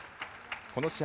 この試合